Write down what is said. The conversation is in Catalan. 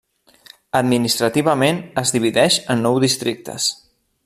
Administrativament es divideix en nou districtes.